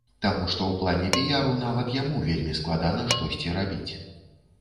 Таму што ў плане піяру нават яму вельмі складана штосьці рабіць.